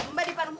mbak di paru paru